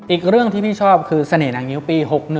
อีกเรื่องที่พี่ชอบคือเสน่นางงิ้วปี๖๑